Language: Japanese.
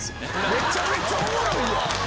めちゃめちゃおもろいやん！